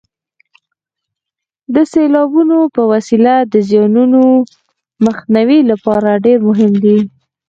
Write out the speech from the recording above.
د سیلابونو په وسیله د زیانونو مخنیوي لپاره ډېر مهم دي.